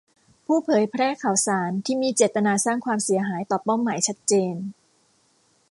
ผู้เผยแพร่ข่าวสารที่มีเจตนาสร้างความเสียหายต่อเป้าหมายชัดเจน